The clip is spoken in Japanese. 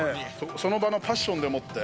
その場のパッションでもって。